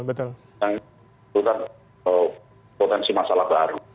yang menunjukkan potensi masalah baru